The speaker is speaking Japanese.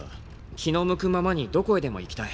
気の向くままにどこへでも行きたい。